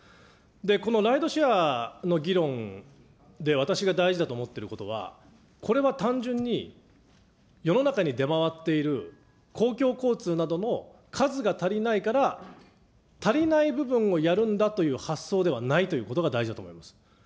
このライドシェアの議論で私が大事だと思っていることは、これは単純に、世の中に出回っている公共交通などの数が足りないから、足りない部分をやるんだという発想ではないということが大事だと思います。